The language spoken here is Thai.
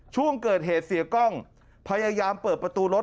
ช่วงเกิดเหตุเสียกล้องพยายามเปิดประตูรถ